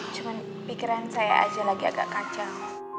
cuma pikiran saya aja lagi agak kacau